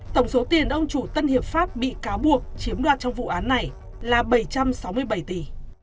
tổng số tiền ông chủ tân hiệp pháp bị cáo buộc chiếm đoạt trong vụ án này là bảy trăm sáu mươi bảy tỷ